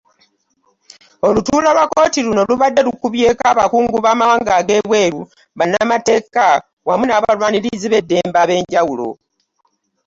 Olutuula lwa kkooti luno lubadde lukubyeko abakungu b’amawanga ag’ebweru, bannamateeka wamu n’abalwanirizi b’eddembe ab’enjawulo.